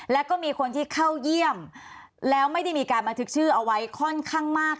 แล้วก็มีคนที่เข้าเยี่ยมแล้วไม่ได้มีการบันทึกชื่อเอาไว้ค่อนข้างมาก